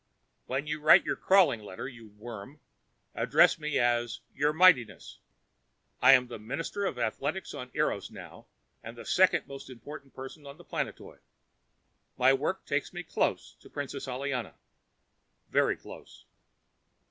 When you write your crawling letter, you worm, address me as "Your Mightiness." I am minister of athletics on Eros now and the second most important person on the planetoid. My work takes me close to the Princess Aliana. Very close.